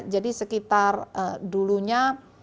jadi sekitar dulunya